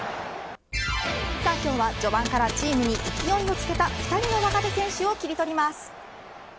今日は序盤からチームに勢いをつけた２人の若手選手をキリトリます。